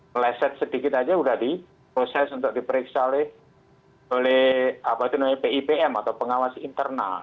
meleset sedikit saja sudah diproses untuk diperiksa oleh pipm atau pengawas internal